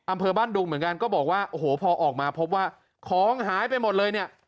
อำเภอบ้านดุงเหมือนกันก็บอกว่าโอ้โหพอออกมาพบว่าของหายไปหมดเลยเนี่ย